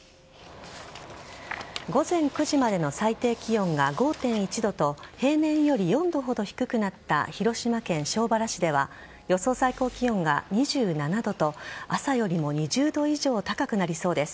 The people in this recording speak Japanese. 午前９時までの最低気温が５．１度と平年より４度ほど低くなった広島県庄原市では予想最高気温が２７度と朝よりも２０度以上高くなりそうです。